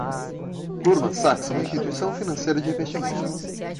Goldman Sachs é uma instituição financeira de investimento.